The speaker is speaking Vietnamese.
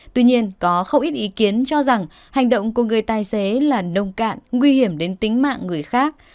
tuy nhiên có không ít ý kiến cho rằng hành động của người tài xế là nông cạn nguy hiểm đến tính mạng người khác